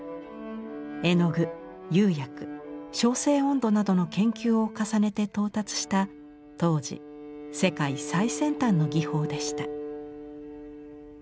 絵の具釉薬焼成温度などの研究を重ねて到達した当時世界最先端の技法でした。